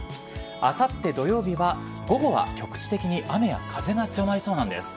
あさって土曜日は午後は局地的に雨や風が強まりそうなんです。